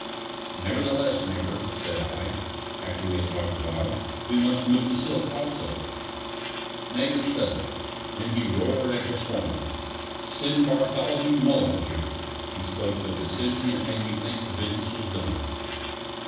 "Nevertheless, Neighbor," said I, after we had talked awhile, "we must move the silk also." Neighbor studied; then he roared at his foreman. "Send Bartholomew Mullen here." He spoke with a decision that made me think the business was done.